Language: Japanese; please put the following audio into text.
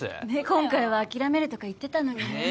「今回は諦める」とか言ってたのにね